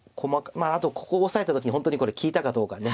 まああとここオサえた時に本当にこれ利いたかどうか。